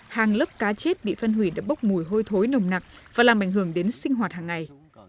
hàng lớp cá chết bị phân hủy đã bốc mùi hôi thối nồng nặc và làm ảnh hưởng đến sinh hoạt hàng ngày